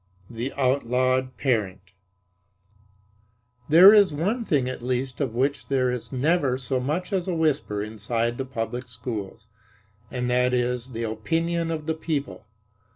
THE OUTLAWED PARENT There is one thing at least of which there is never so much as a whisper inside the popular schools; and that is the opinion of the people.